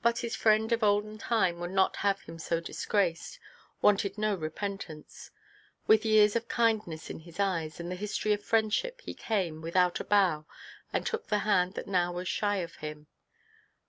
But his friend of olden time would not have him so disgraced, wanted no repentance. With years of kindness in his eyes and the history of friendship, he came, without a bow, and took the hand that now was shy of him.